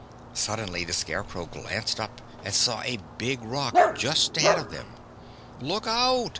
Suddenly the Scarecrow glanced up and saw a big rock just ahead of them. "Look out!"